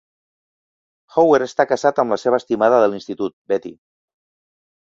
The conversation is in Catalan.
Hower està casat amb la seva estimada de l'institut, Betty.